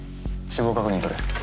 死亡確認取れ。